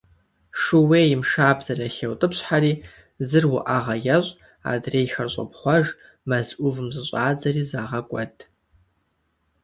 Шууейм шабзэр яхеутӀыпщхьэри зыр уӀэгъэ ещӀ, адрейхэр щӀопхъуэж, мэз Ӏувым зыщӀадзэри, загъэкӀуэд.